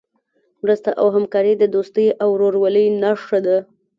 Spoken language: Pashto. مرسته او همکاري د دوستۍ او ورورولۍ نښه ده.